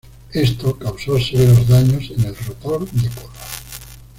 Esto causó severos daños en el rotor de cola.